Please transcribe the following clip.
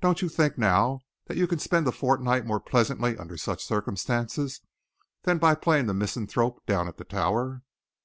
Don't you think, now, that you can spend a fortnight more pleasantly under such circumstances than by playing the misanthrope down at the Tower?"